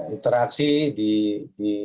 interaksi di hall